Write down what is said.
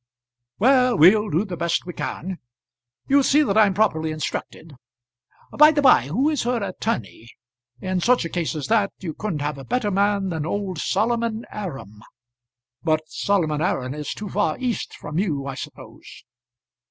Well, we'll do the best we can. You'll see that I'm properly instructed. By the by, who is her attorney? In such a case as that you couldn't have a better man than old Solomon Aram. But Solomon Aram is too far east from you, I suppose?"